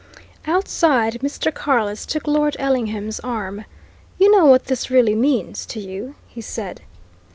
Outside, Mr. Carless took Lord Ellingham's arm. "You know what this really means to you?" he said.